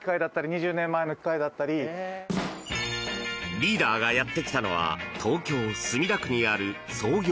リーダーがやってきたのは東京・墨田区にある創業